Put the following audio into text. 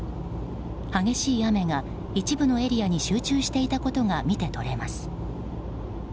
激しい雨が一部のエリアに集中していたことが見て取れます。